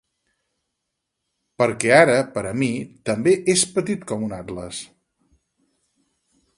Perquè ara per a mi també és petit com un atles.